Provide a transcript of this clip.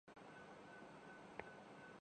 کچھ باقی دوست جن کو اندر جگہ